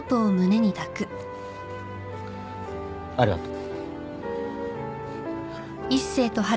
ありがとう。